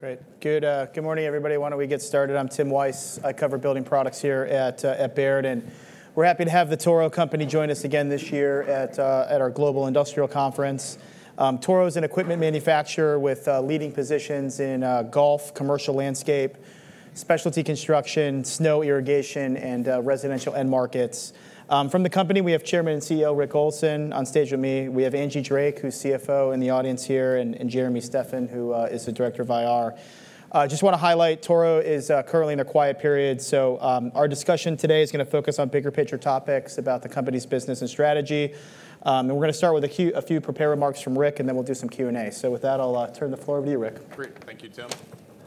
Great. Good morning, everybody. Why don't we get started? I'm Tim Wojs. I cover building products here at Baird, and we're happy to have the Toro Company join us again this year at our Global Industrial Conference. Toro is an equipment manufacturer with leading positions in golf, commercial landscape, specialty construction, snow irrigation, and residential end markets. From the company, we have Chairman and CEO Rick Olson on stage with me. We have Angie Drake, who's CFO, in the audience here, and Jeremy Steffan, who is the Director of IR. I just want to highlight Toro is currently in a quiet period. So our discussion today is going to focus on bigger picture topics about the company's business and strategy, and we're going to start with a few prepared remarks from Rick, and then we'll do some Q&A, so with that, I'll turn the floor over to you, Rick. Great. Thank you, Tim.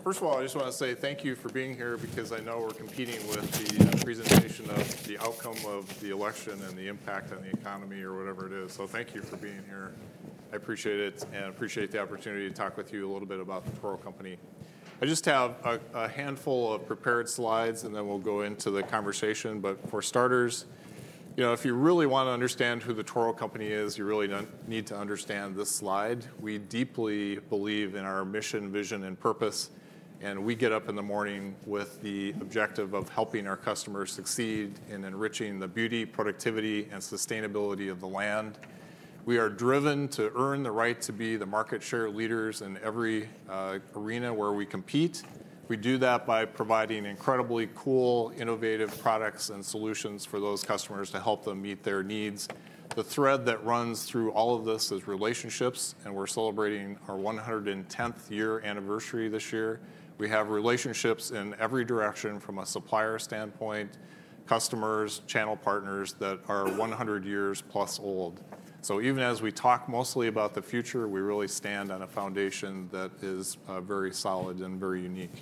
First of all, I just want to say thank you for being here because I know we're competing with the presentation of the outcome of the election and the impact on the economy or whatever it is, so thank you for being here. I appreciate it and appreciate the opportunity to talk with you a little bit about the Toro Company. I just have a handful of prepared slides, and then we'll go into the conversation, but for starters, if you really want to understand who the Toro Company is, you really need to understand this slide. We deeply believe in our mission, vision, and purpose, and we get up in the morning with the objective of helping our customers succeed in enriching the beauty, productivity, and sustainability of the land. We are driven to earn the right to be the market share leaders in every arena where we compete. We do that by providing incredibly cool, innovative products and solutions for those customers to help them meet their needs. The thread that runs through all of this is relationships, and we're celebrating our 110th year anniversary this year. We have relationships in every direction from a supplier standpoint, customers, channel partners that are 100 years plus old. So even as we talk mostly about the future, we really stand on a foundation that is very solid and very unique.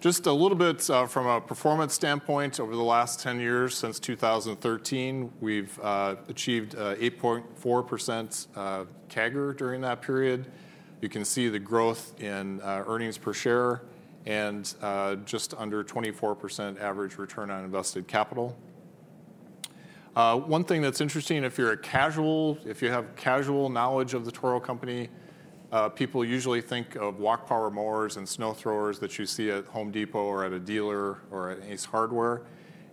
Just a little bit from a performance standpoint, over the last 10 years, since 2013, we've achieved 8.4% CAGR during that period. You can see the growth in earnings per share and just under 24% average return on invested capital. One thing that's interesting, if you have casual knowledge of The Toro Company, people usually think of walk power mowers and snow throwers that you see at Home Depot or at a dealer or at Ace Hardware,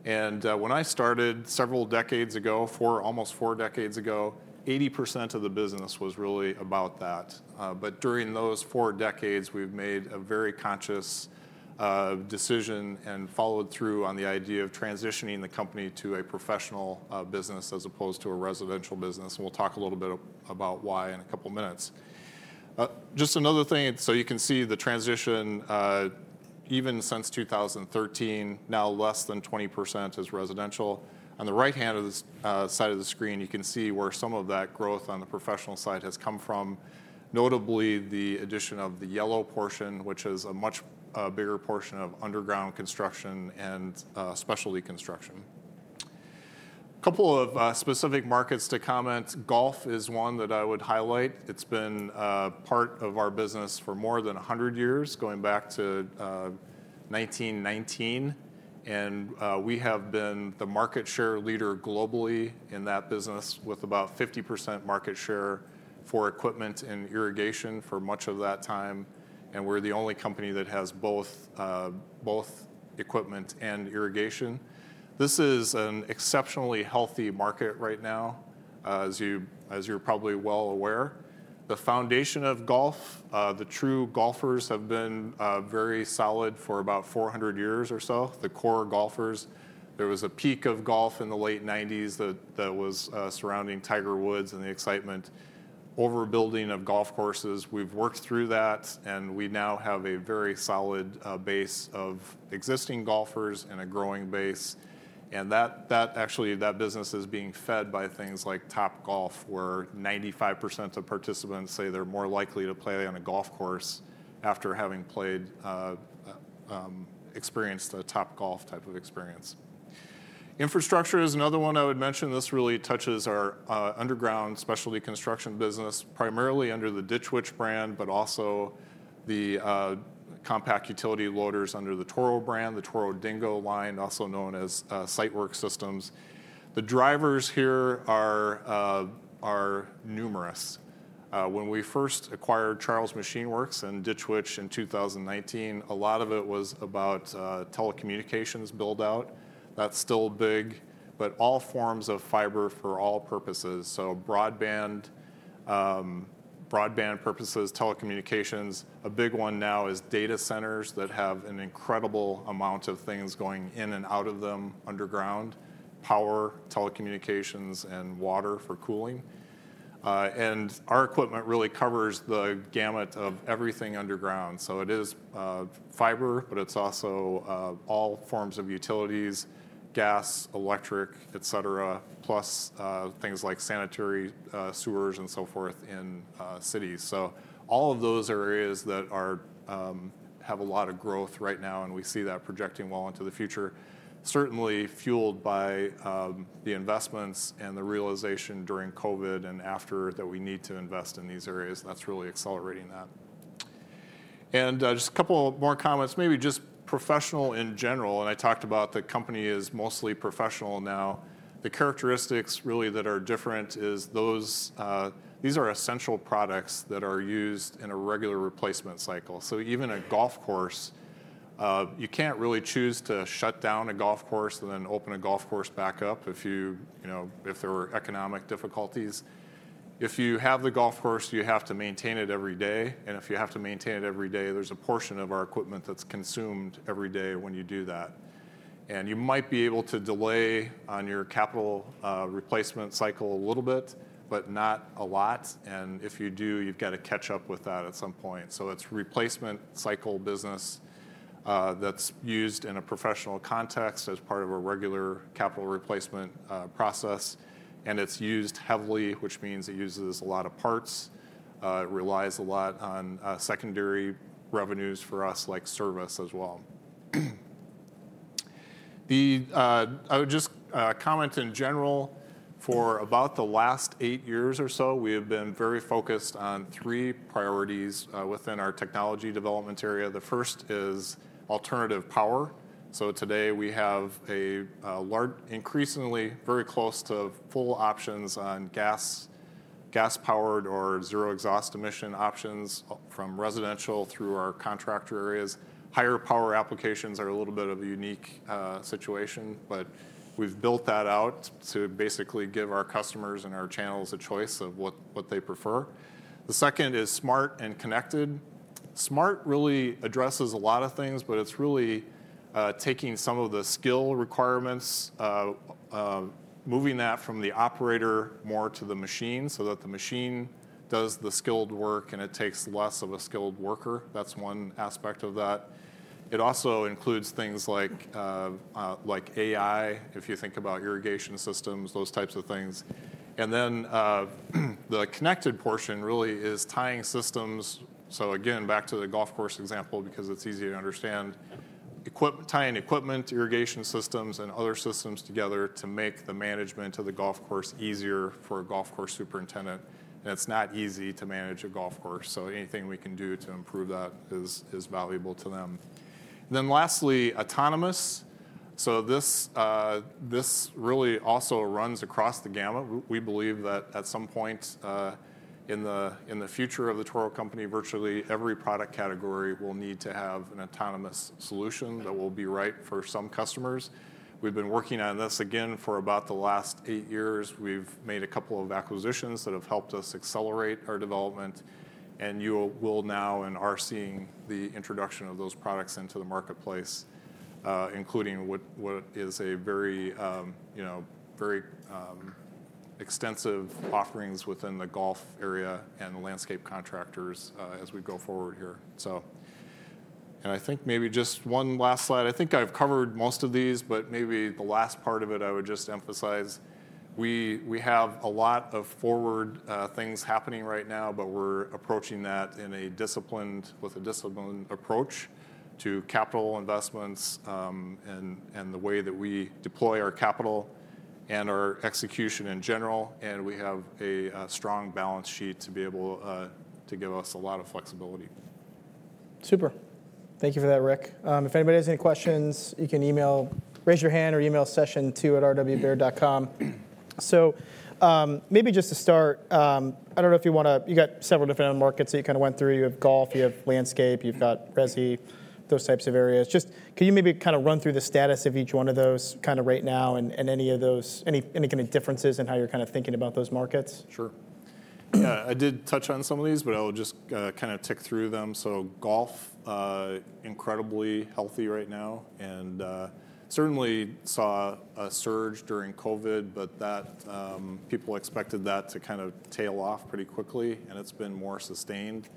and when I started several decades ago, almost four decades ago, 80% of the business was really about that, but during those four decades, we've made a very conscious decision and followed through on the idea of transitioning the company to a professional business as opposed to a residential business, and we'll talk a little bit about why in a couple of minutes. Just another thing, so you can see the transition, even since 2013, now less than 20% is residential. On the right-hand side of the screen, you can see where some of that growth on the professional side has come from, notably the addition of the yellow portion, which is a much bigger portion of underground construction and specialty construction. A couple of specific markets to comment. Golf is one that I would highlight. It's been part of our business for more than 100 years, going back to 1919. And we have been the market share leader globally in that business with about 50% market share for equipment and irrigation for much of that time. And we're the only company that has both equipment and irrigation. This is an exceptionally healthy market right now, as you're probably well aware. The foundation of golf, the true golfers have been very solid for about 400 years or so, the core golfers. There was a peak of golf in the late 1990s that was surrounding Tiger Woods and the excitement overbuilding of golf courses. We've worked through that, and we now have a very solid base of existing golfers and a growing base, and actually, that business is being fed by things like Topgolf, where 95% of participants say they're more likely to play on a golf course after having experienced a Topgolf type of experience. Infrastructure is another one I would mention. This really touches our underground specialty construction business, primarily under the Ditch Witch brand, but also the compact utility loaders under the Toro brand, the Toro Dingo line, also known as Sitework Systems. The drivers here are numerous. When we first acquired Charles Machine Works and Ditch Witch in 2019, a lot of it was about telecommunications build-out. That's still big, but all forms of fiber for all purposes. So, broadband purposes, telecommunications. A big one now is data centers that have an incredible amount of things going in and out of them underground: power, telecommunications, and water for cooling, and our equipment really covers the gamut of everything underground, so it is fiber, but it's also all forms of utilities: gas, electric, et cetera, plus things like sanitary sewers and so forth in cities, so all of those areas that have a lot of growth right now, and we see that projecting well into the future, certainly fueled by the investments and the realization during COVID and after that, that we need to invest in these areas. That's really accelerating that, and just a couple more comments, maybe just professional in general, and I talked about the company is mostly professional now. The characteristics really that are different is these are essential products that are used in a regular replacement cycle. So even a golf course, you can't really choose to shut down a golf course and then open a golf course back up if there were economic difficulties. If you have the golf course, you have to maintain it every day. And if you have to maintain it every day, there's a portion of our equipment that's consumed every day when you do that. And you might be able to delay on your capital replacement cycle a little bit, but not a lot. And if you do, you've got to catch up with that at some point. So it's a replacement cycle business that's used in a professional context as part of a regular capital replacement process. And it's used heavily, which means it uses a lot of parts. It relies a lot on secondary revenues for us, like service as well. I would just comment in general, for about the last eight years or so, we have been very focused on three priorities within our technology development area. The first is alternative power. So today, we have an increasingly very close to full options on gas-powered or zero-exhaust emission options from residential through our contractor areas. Higher power applications are a little bit of a unique situation, but we've built that out to basically give our customers and our channels a choice of what they prefer. The second is smart and connected. Smart really addresses a lot of things, but it's really taking some of the skill requirements, moving that from the operator more to the machine so that the machine does the skilled work and it takes less of a skilled worker. That's one aspect of that. It also includes things like AI, if you think about irrigation systems, those types of things. And then the connected portion really is tying systems. So again, back to the golf course example because it's easy to understand: tying equipment, irrigation systems, and other systems together to make the management of the golf course easier for a golf course superintendent. And it's not easy to manage a golf course. So anything we can do to improve that is valuable to them. And then lastly, autonomous. So this really also runs across the gamut. We believe that at some point in the future of the Toro Company, virtually every product category will need to have an autonomous solution that will be right for some customers. We've been working on this again for about the last eight years. We've made a couple of acquisitions that have helped us accelerate our development. And you will now and are seeing the introduction of those products into the marketplace, including what is a very extensive offerings within the golf area and landscape contractors as we go forward here. And I think maybe just one last slide. I think I've covered most of these, but maybe the last part of it I would just emphasize. We have a lot of forward things happening right now, but we're approaching that with a disciplined approach to capital investments and the way that we deploy our capital and our execution in general. And we have a strong balance sheet to be able to give us a lot of flexibility. Super. Thank you for that, Rick. If anybody has any questions, you can email, raise your hand, or email session2@rwbaird.com. So maybe just to start, I don't know if you want to. You got several different markets that you kind of went through. You have golf, you have landscape, you've got resi, those types of areas. Just can you maybe kind of run through the status of each one of those kind of right now and any kind of differences in how you're kind of thinking about those markets? Sure. Yeah, I did touch on some of these, but I'll just kind of tick through them, so golf, incredibly healthy right now, and certainly saw a surge during COVID, but people expected that to kind of tail off pretty quickly, and it's been more sustained.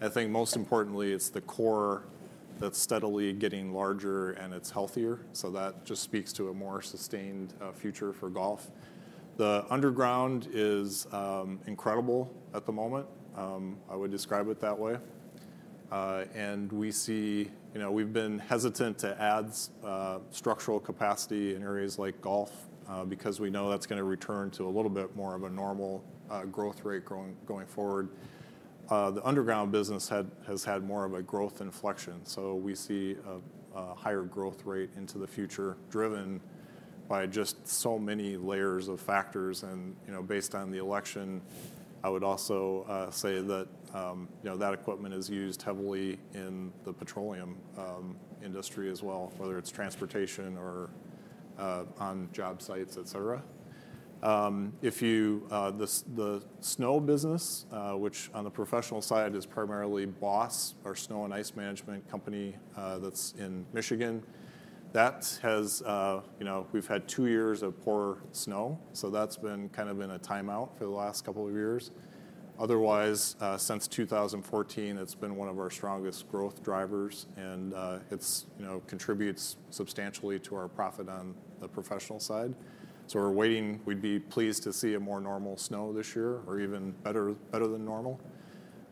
I think most importantly, it's the core that's steadily getting larger and it's healthier, so that just speaks to a more sustained future for golf. The underground is incredible at the moment. I would describe it that way, and we've been hesitant to add structural capacity in areas like golf because we know that's going to return to a little bit more of a normal growth rate going forward. The underground business has had more of a growth inflection, so we see a higher growth rate into the future driven by just so many layers of factors. And based on the election, I would also say that that equipment is used heavily in the petroleum industry as well, whether it's transportation or on job sites, et cetera. The snow business, which on the professional side is primarily BOSS, our snow and ice management company that's in Michigan, we've had two years of poor snow. So that's been kind of in a timeout for the last couple of years. Otherwise, since 2014, it's been one of our strongest growth drivers. And it contributes substantially to our profit on the professional side. So we're waiting. We'd be pleased to see a more normal snow this year or even better than normal.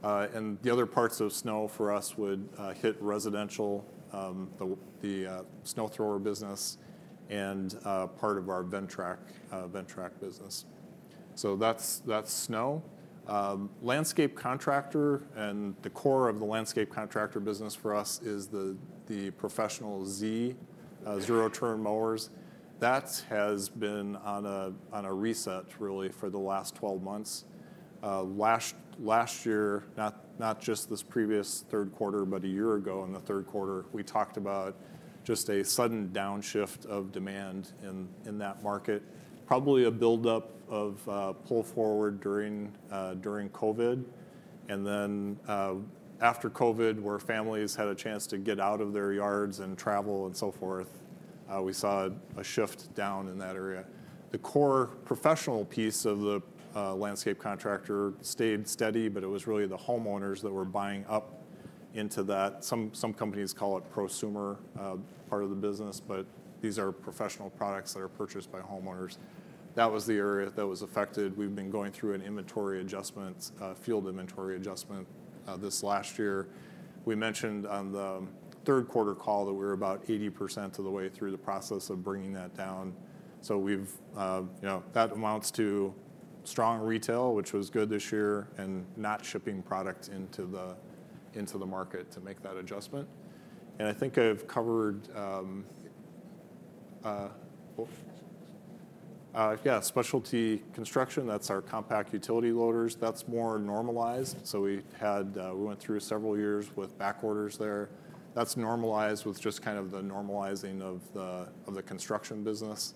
And the other parts of snow for us would hit residential, the snow thrower business, and part of our Ventrac business. So that's snow. Landscape contractor and the core of the landscape contractor business for us is the professional zero-turn mowers. That has been on a reset really for the last 12 months. Last year, not just this previous third quarter, but a year ago in the third quarter, we talked about just a sudden downshift of demand in that market, probably a build-up of pull forward during COVID, and then after COVID, where families had a chance to get out of their yards and travel and so forth, we saw a shift down in that area. The core professional piece of the landscape contractor stayed steady, but it was really the homeowners that were buying up into that. Some companies call it prosumer part of the business, but these are professional products that are purchased by homeowners. That was the area that was affected. We've been going through an inventory adjustment, field inventory adjustment this last year. We mentioned on the third quarter call that we were about 80% of the way through the process of bringing that down. So that amounts to strong retail, which was good this year, and not shipping product into the market to make that adjustment. And I think I've covered, yeah, specialty construction. That's our compact utility loaders. That's more normalized. So we went through several years with back orders there. That's normalized with just kind of the normalizing of the construction business.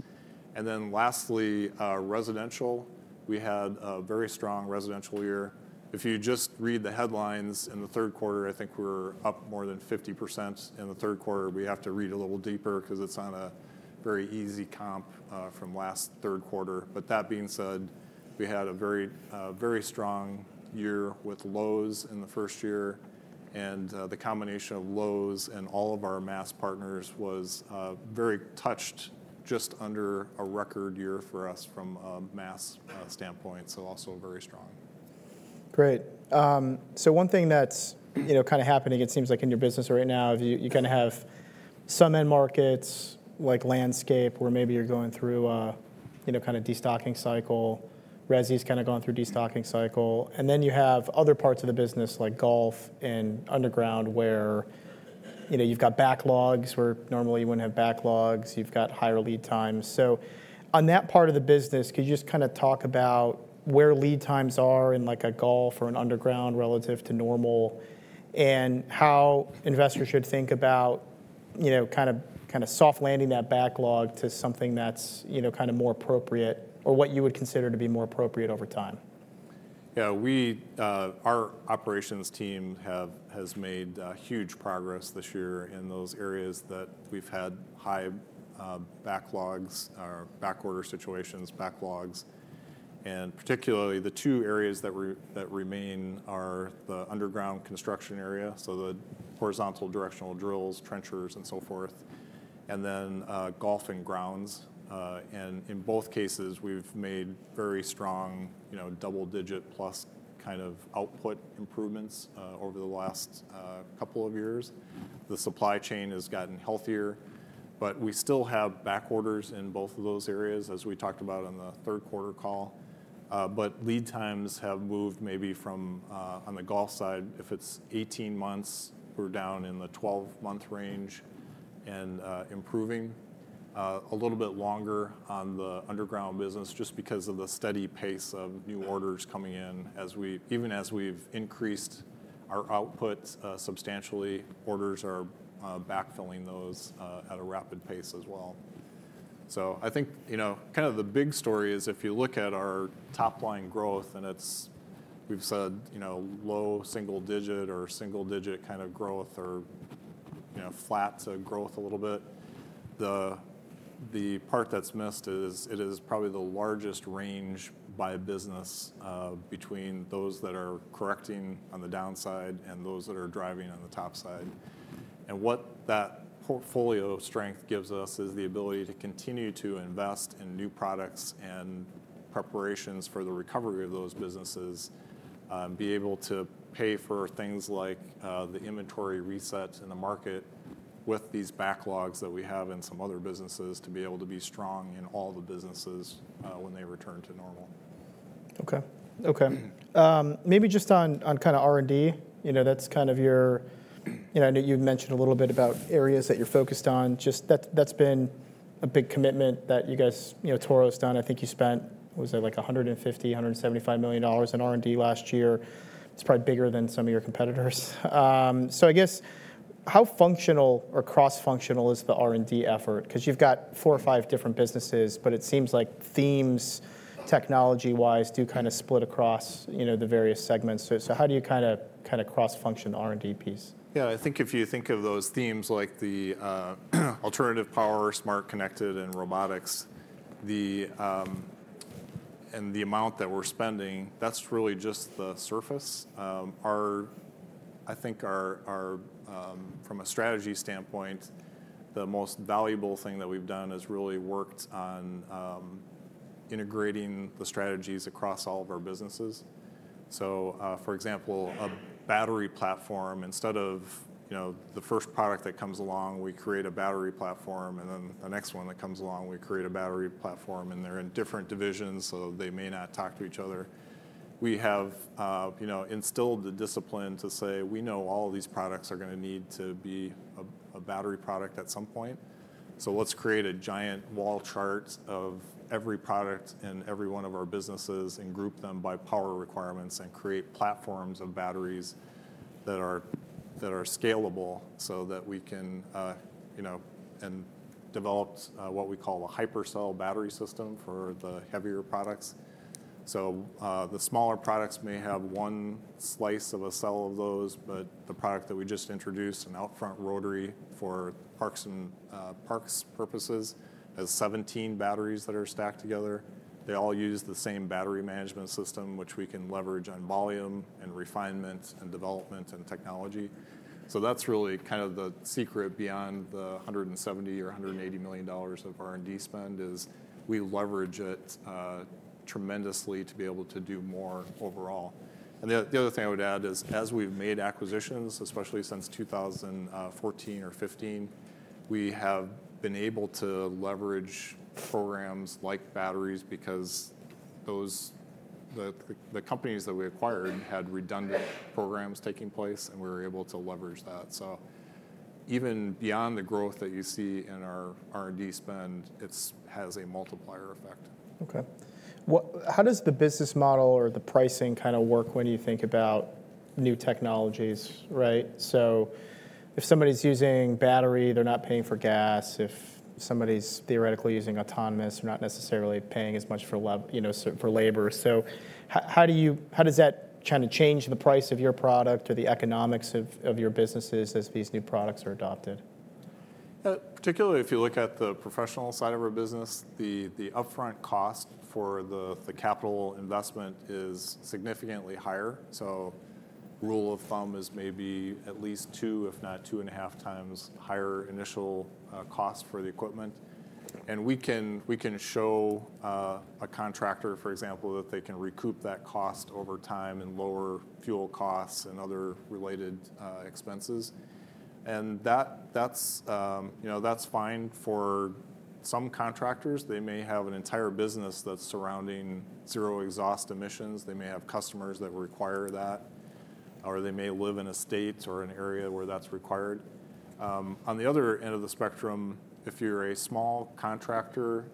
And then lastly, residential. We had a very strong residential year. If you just read the headlines in the third quarter, I think we were up more than 50% in the third quarter. We have to read a little deeper because it's on a very easy comp from last third quarter. But that being said, we had a very strong year with Lowe's in the first year. And the combination of Lowe's and all of our mass partners was very tough, just under a record year for us from a mass standpoint. So also very strong. Great, so one thing that's kind of happening, it seems like in your business right now, you kind of have some end markets like landscape where maybe you're going through a kind of destocking cycle. Resi's kind of gone through a destocking cycle, and then you have other parts of the business like golf and underground where you've got backlogs where normally you wouldn't have backlogs. You've got higher lead times, so on that part of the business, could you just kind of talk about where lead times are in like a golf or an underground relative to normal and how investors should think about kind of soft landing that backlog to something that's kind of more appropriate or what you would consider to be more appropriate over time? Yeah, our operations team has made huge progress this year in those areas that we've had high backlogs or backorder situations, backlogs. And particularly the two areas that remain are the underground construction area, so the horizontal directional drills, trenchers, and so forth, and then golfing grounds. And in both cases, we've made very strong double-digit plus kind of output improvements over the last couple of years. The supply chain has gotten healthier, but we still have backorders in both of those areas, as we talked about on the third quarter call. But lead times have moved maybe from on the golf side, if it's 18 months, we're down in the 12-month range and improving. A little bit longer on the underground business just because of the steady pace of new orders coming in. Even as we've increased our output substantially, orders are backfilling those at a rapid pace as well. So I think kind of the big story is if you look at our top line growth and we've said low single-digit or single-digit kind of growth or flat to growth a little bit, the part that's missed is it is probably the largest range by business between those that are correcting on the downside and those that are driving on the top side. And what that portfolio strength gives us is the ability to continue to invest in new products and preparations for the recovery of those businesses, be able to pay for things like the inventory reset in the market with these backlogs that we have in some other businesses to be able to be strong in all the businesses when they return to normal. Okay. Okay. Maybe just on kind of R&D, that's kind of your. I know you've mentioned a little bit about areas that you're focused on. Just, that's been a big commitment that you guys, Toro's done. I think you spent, was it like $150 million-$175 million in R&D last year. It's probably bigger than some of your competitors. So I guess how functional or cross-functional is the R&D effort? Because you've got four or five different businesses, but it seems like the same technology-wise do kind of split across the various segments. So how do you kind of cross-function the R&D piece? Yeah, I think if you think of those themes like the alternative power, smart connected, and robotics, and the amount that we're spending, that's really just the surface. I think from a strategy standpoint, the most valuable thing that we've done is really worked on integrating the strategies across all of our businesses. So for example, a battery platform, instead of the first product that comes along, we create a battery platform. And then the next one that comes along, we create a battery platform. And they're in different divisions, so they may not talk to each other. We have instilled the discipline to say, we know all of these products are going to need to be a battery product at some point. So let's create a giant wall chart of every product in every one of our businesses and group them by power requirements and create platforms of batteries that are scalable so that we can develop what we call a HyperCell battery system for the heavier products. So the smaller products may have one slice of a cell of those, but the product that we just introduced, an out-front rotary for parks purposes, has 17 batteries that are stacked together. They all use the same battery management system, which we can leverage on volume and refinement and development and technology. So that's really kind of the secret beyond the $170 or $180 million of R&D spend is we leverage it tremendously to be able to do more overall. And the other thing I would add is as we've made acquisitions, especially since 2014 or 2015, we have been able to leverage programs like batteries because the companies that we acquired had redundant programs taking place, and we were able to leverage that. So even beyond the growth that you see in our R&D spend, it has a multiplier effect. Okay. How does the business model or the pricing kind of work when you think about new technologies, right? So if somebody's using battery, they're not paying for gas. If somebody's theoretically using autonomous, they're not necessarily paying as much for labor. So how does that kind of change the price of your product or the economics of your businesses as these new products are adopted? Particularly if you look at the professional side of our business, the upfront cost for the capital investment is significantly higher. So rule of thumb is maybe at least two, if not two and a half times higher initial cost for the equipment. And we can show a contractor, for example, that they can recoup that cost over time and lower fuel costs and other related expenses. And that's fine for some contractors. They may have an entire business that's surrounding zero exhaust emissions. They may have customers that require that, or they may live in a state or an area where that's required. On the other end of the spectrum, if you're a small contractor,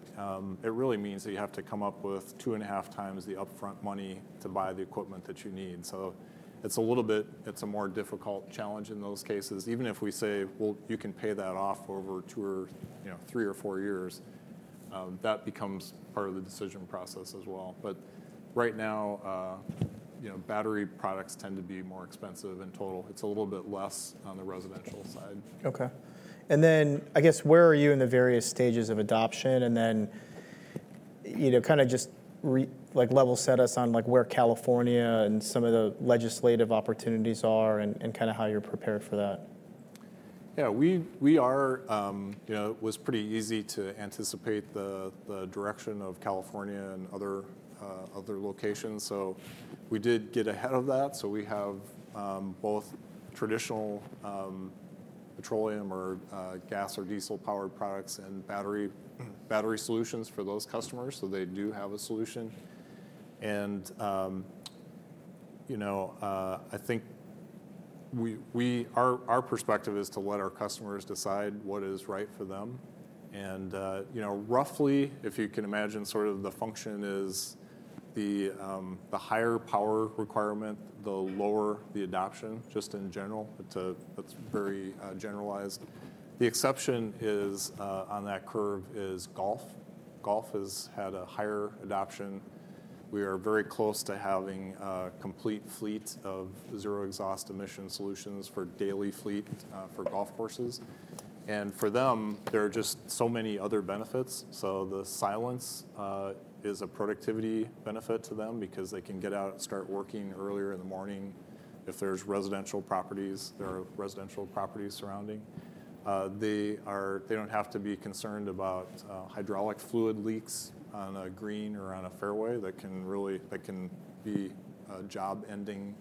it really means that you have to come up with two and a half times the upfront money to buy the equipment that you need. So it's a little bit, it's a more difficult challenge in those cases. Even if we say, well, you can pay that off over two or three or four years, that becomes part of the decision process as well. But right now, battery products tend to be more expensive in total. It's a little bit less on the residential side. Okay. And then I guess where are you in the various stages of adoption? And then kind of just level set us on where California and some of the legislative opportunities are and kind of how you're prepared for that. Yeah, it was pretty easy to anticipate the direction of California and other locations. So we did get ahead of that. So we have both traditional petroleum or gas or diesel-powered products and battery solutions for those customers. So they do have a solution. And I think our perspective is to let our customers decide what is right for them. And roughly, if you can imagine, sort of the function is the higher power requirement, the lower the adoption, just in general. That's very generalized. The exception on that curve is golf. Golf has had a higher adoption. We are very close to having a complete fleet of zero-exhaust emission solutions for daily fleet for golf courses. And for them, there are just so many other benefits. So the silence is a productivity benefit to them because they can get out and start working earlier in the morning if there's residential properties surrounding. They don't have to be concerned about hydraulic fluid leaks on a green or on a fairway. That can be a job-ending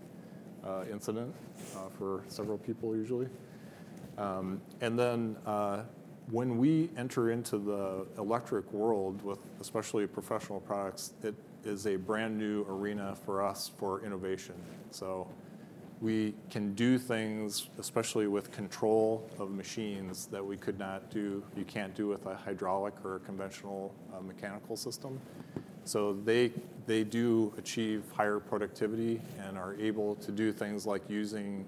incident for several people, usually. And then when we enter into the electric world, especially professional products, it is a brand new arena for us for innovation. So we can do things, especially with control of machines that we could not do, you can't do with a hydraulic or a conventional mechanical system. So they do achieve higher productivity and are able to do things like using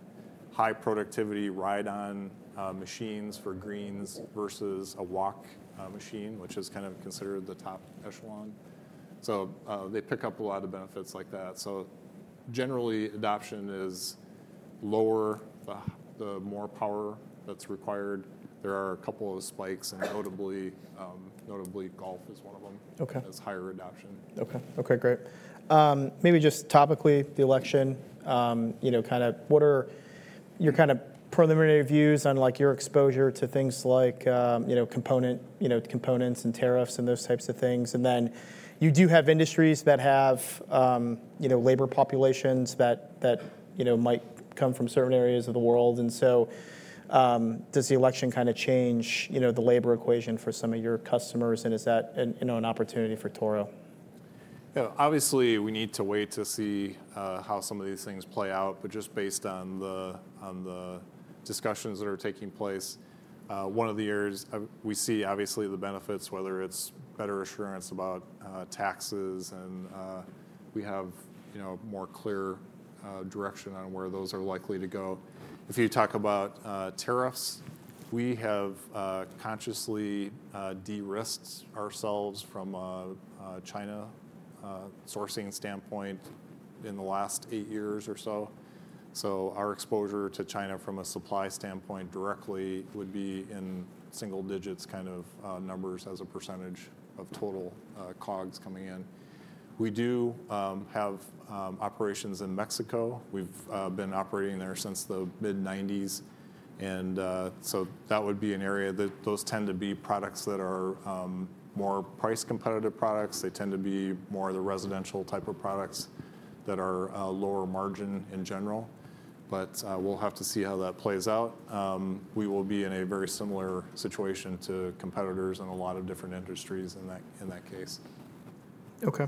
high productivity ride-on machines for greens versus a walk machine, which is kind of considered the top echelon. So they pick up a lot of benefits like that. So generally, adoption is lower, the more power that's required. There are a couple of spikes, and notably, golf is one of them that has higher adoption. Okay. Okay. Great. Maybe just topically, the election, kind of what are your kind of preliminary views on your exposure to things like components and tariffs and those types of things? And then you do have industries that have labor populations that might come from certain areas of the world. And so does the election kind of change the labor equation for some of your customers? And is that an opportunity for Toro? Obviously, we need to wait to see how some of these things play out. But just based on the discussions that are taking place, one of the areas we see, obviously, the benefits, whether it's better assurance about taxes and we have a more clear direction on where those are likely to go. If you talk about tariffs, we have consciously de-risked ourselves from a China sourcing standpoint in the last eight years or so. So our exposure to China from a supply standpoint directly would be in single digits kind of numbers as a percentage of total cogs coming in. We do have operations in Mexico. We've been operating there since the mid-1990s. And so that would be an area that those tend to be products that are more price competitive products. They tend to be more of the residential type of products that are lower margin in general. But we'll have to see how that plays out. We will be in a very similar situation to competitors in a lot of different industries in that case. Okay.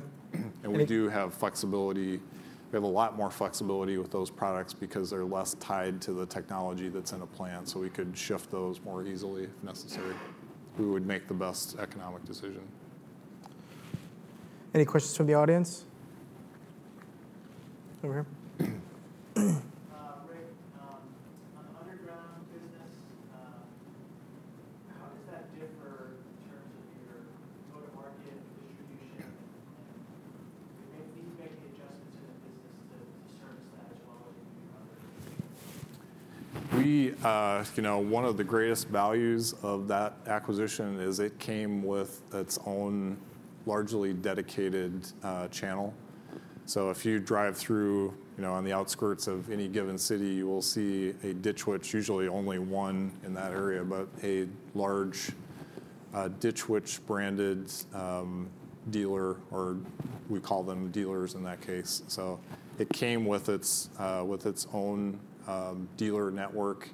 We do have flexibility. We have a lot more flexibility with those products because they're less tied to the technology that's in a plant. So we could shift those more easily if necessary. We would make the best economic decision. Any questions from the audience? Over here. Rick, on the underground business, how does that differ in terms of your go-to-market distribution? Do you make any adjustments in the business to service that as well as you do your other? One of the greatest values of that acquisition is it came with its own largely dedicated channel, so if you drive through on the outskirts of any given city, you will see a Ditch Witch, usually only one in that area, but a large Ditch Witch branded dealer, or we call them dealers in that case. It came with its own dealer network,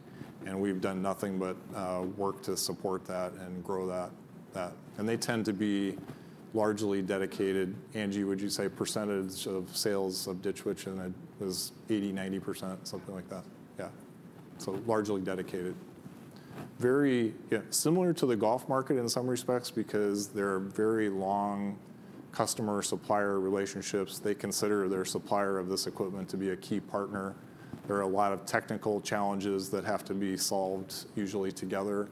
and we've done nothing but work to support that and grow that, and they tend to be largely dedicated. Angie, would you say percentage of sales of Ditch Witch was 80%-90%, something like that? Yeah. Largely dedicated. Very similar to the golf market in some respects because there are very long customer-supplier relationships. They consider their supplier of this equipment to be a key partner. There are a lot of technical challenges that have to be solved usually together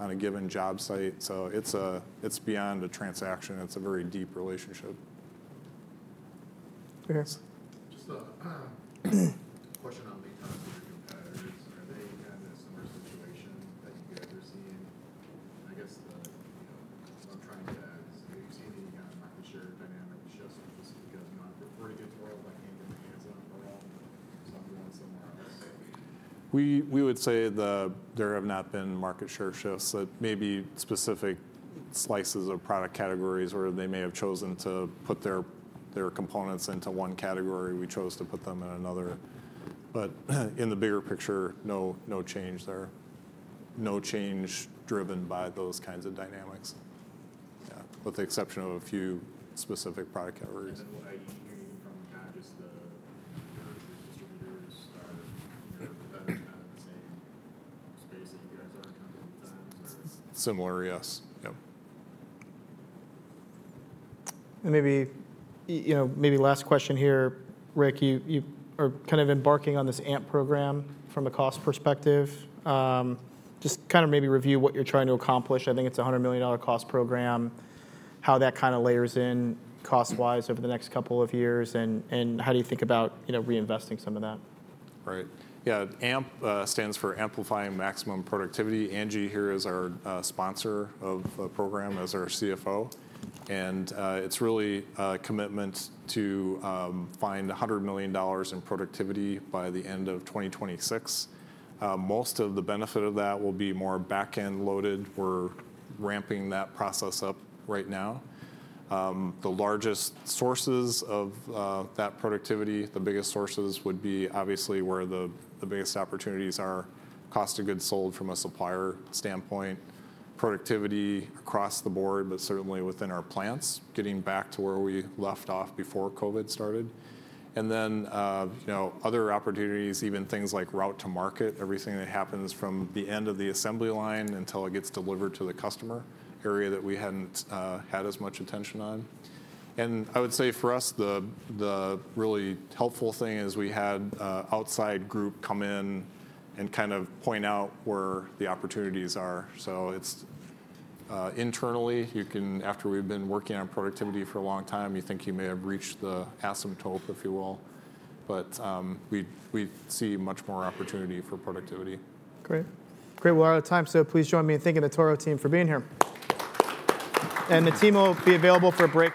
on a given job site. It's beyond a transaction. It's a very deep relationship. Thanks. Just a question on the competitors. Are they kind of in a similar situation that you guys are seeing? I guess what I'm trying to ask is, have you seen any kind of market share dynamic shifts? Just because we're in a good world, I can't get my hands on it very often, but someone somewhere else. We would say there have not been market share shifts. Maybe specific slices of product categories where they may have chosen to put their components into one category. We chose to put them in another. But in the bigger picture, no change there. No change driven by those kinds of dynamics, with the exception of a few specific product categories. And then what are you hearing from kind of just the distributors? Are the vendors kind of in the same space that you guys are in companies and designs? Similar, yes. Yep. And maybe last question here, Rick. You are kind of embarking on this AMP program from a cost perspective. Just kind of maybe review what you're trying to accomplish. I think it's a $100 million cost program. How that kind of layers in cost-wise over the next couple of years, and how do you think about reinvesting some of that? Right. Yeah. AMP stands for Amplifying Maximum Productivity. Angie here is our sponsor of the program as our CFO, and it's really a commitment to find $100 million in productivity by the end of 2026. Most of the benefit of that will be more back-end loaded. We're ramping that process up right now. The largest sources of that productivity, the biggest sources would be obviously where the biggest opportunities are, cost of goods sold from a supplier standpoint, productivity across the board, but certainly within our plants, getting back to where we left off before COVID started, and then other opportunities, even things like route to market, everything that happens from the end of the assembly line until it gets delivered to the customer area that we hadn't had as much attention on. I would say for us, the really helpful thing is we had an outside group come in and kind of point out where the opportunities are. Internally, after we've been working on productivity for a long time, you think you may have reached the asymptote, if you will. We see much more opportunity for productivity. Great. Great. Well, out of time, so please join me in thanking the Toro team for being here, and the team will be available for break.